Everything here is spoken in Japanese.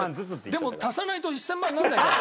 でも足さないと１０００万にならないから。